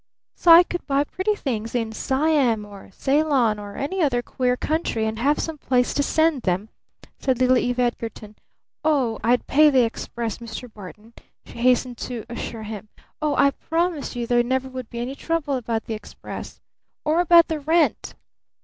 "So I could buy pretty things in Siam or Ceylon or any other queer country and have some place to send them," said little Eve Edgarton. "Oh, I'd pay the express, Mr. Barton," she hastened to assure him. "Oh, I promise you there never would be any trouble about the express! Or about the rent!"